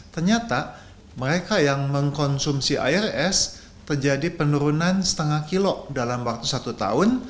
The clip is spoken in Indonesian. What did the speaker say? ternyata mereka yang mengkonsumsi air es terjadi penurunan setengah kilo dalam waktu satu tahun